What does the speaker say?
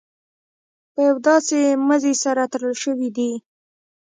په یو داسې مزي سره تړل شوي دي.